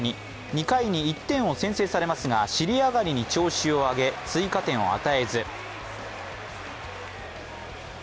２回に１点を先制されますが、尻上がりに調子を上げ、追加点を与えず。